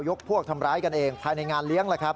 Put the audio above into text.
ยกพวกทำร้ายกันเองภายในงานเลี้ยง